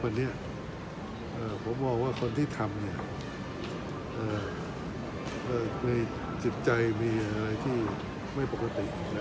ผมเมา่ว่าคนที่ทำมีจิตใจมีอะไรที่ไม่ปกติ